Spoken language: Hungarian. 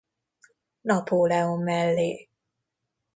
Napóleon mellé.